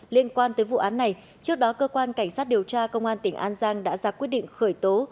liên quan tới vụ án này trước đó cơ quan cảnh sát điều tra công an tỉnh an giang đã ra quyết định khởi tố